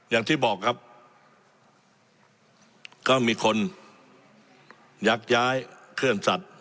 อย่างที่บอกครับก็มีคนยักย้ายเคลื่อนสัตว์